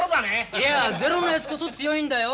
いやゼロのやつこそ強いんだよ。